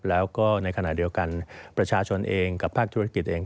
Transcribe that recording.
แล้วก็ในขณะเดียวกันประชาชนเองกับภาคธุรกิจเอง